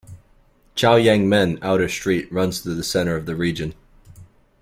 Chaoyangmen Outer Street runs through the centre of the region.